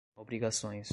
obrigações